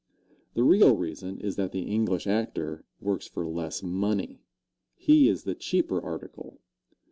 The real reason is that the English actor works for less money he is the cheaper article.